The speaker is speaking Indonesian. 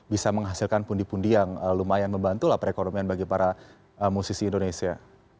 bisa menghasilkan pundi pundi yang lumayan membantu lah perekonomian bagi para musisi indonesia